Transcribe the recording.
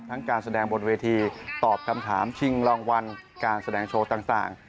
การแสดงบนเวทีตอบคำถามชิงรางวัลการแสดงโชว์ต่าง